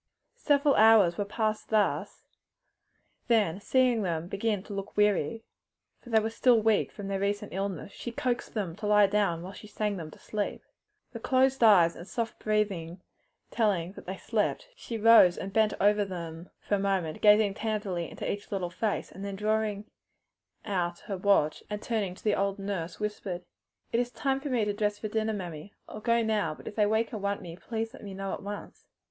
Several hours were passed thus, then seeing them begin to look weary for they were still weak from their recent illness she coaxed them to lie down while she sang them to sleep. The closed eyes and soft breathing telling that they slept, she rose and bent over them a moment, gazing tenderly into each little face, then drawing out her watch and turning to the old nurse, whispered, "It is time for me to dress for dinner, mammy. I'll go now, but if they wake and want me let me know at once."